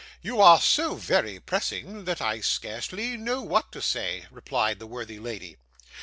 'You are so very pressing, that I scarcely know what to say,' replied the worthy lady.